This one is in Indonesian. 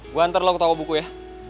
gue hantar lo ke toko buku ya